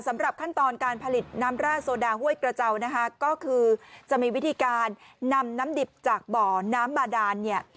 สำหรับขั้นตอนการผลิตน้ำแร่โซดาห้วยกระเจ้านะคะก็คือจะมีวิธีการนำน้ำดิบจากบ่อน้ำบาดานเนี่ย